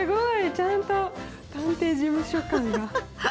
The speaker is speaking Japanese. ちゃんと探偵事務所感が。